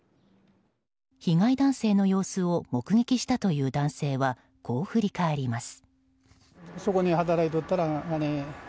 被害男性の様子を目撃したという男性はこう振り返ります。